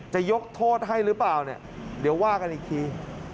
จะยกโทษให้หรือเปล่าเนี่ยเดี๋ยวว่ากันอีกที